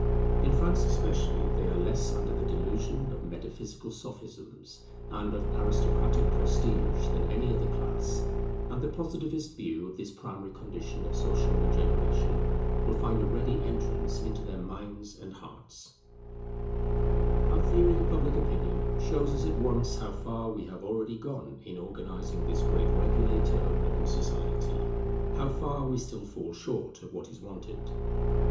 In France especially they are less under the delusion of metaphysical sophisms and of aristocratic prestige than any other class; and the Positivist view of this primary condition of social regeneration will find a ready entrance into their minds and hearts. [All three conditions of Public Opinion exist, but have not yet been combined] Our theory of Public Opinion shows us at once how far we have already gone in organizing this great regulator of modern society; how far we still fall short of what is wanted.